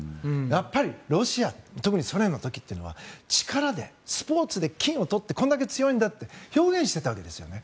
やっぱりロシア特にソ連の時というのは力でスポーツで金を取ってこれだけ強いんだって表現していたわけですよね。